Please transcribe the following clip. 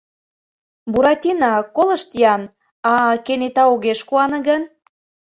— Буратино, колышт-ян, а кенета огеш куане гын?